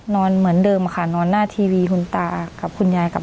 นอนเหมือนเดิมค่ะนอนหน้าทีวีคุณตากับคุณยายกับ